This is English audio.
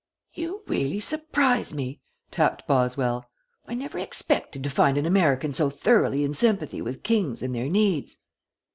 "You really surprise me," tapped Boswell. "I never expected to find an American so thoroughly in sympathy with kings and their needs."